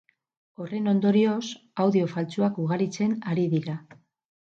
Horren ondorioz, audio faltsuak ugaritzen ari dira.